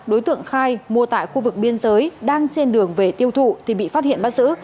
đối tượng khai mua tại khu vực biên giới đang trên đường về tiêu thụ thì bị phát hiện bắt giữ